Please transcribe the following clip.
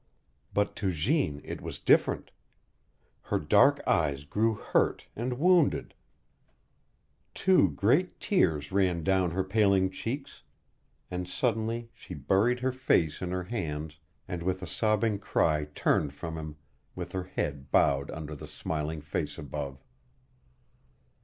But to Jeanne it was different. Her dark eyes grew hurt and wounded, two great tears ran down her paling cheeks, and suddenly she buried her face in her hands and with a sobbing cry turned from him, with her head bowed under the smiling face above.